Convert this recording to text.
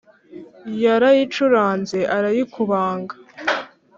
Yarayicuranze arayikubanga